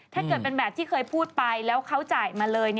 ถ้าเกิดเป็นแบบที่เคยพูดไปแล้วเขาจ่ายมาเลย